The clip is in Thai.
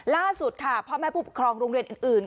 ล่าสุดค่ะพ่อแม่ผู้ปกครองโรงเรียนอื่น